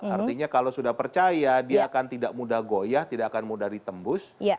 artinya kalau sudah percaya dia akan tidak mudah goyah tidak akan mudah ditembus